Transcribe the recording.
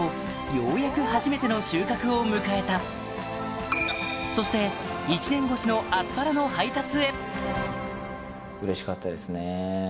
ようやく初めての収穫を迎えたそしてアスパラの皆さん。